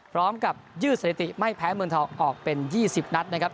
ยืดสถิติไม่แพ้เมืองทองออกเป็น๒๐นัดนะครับ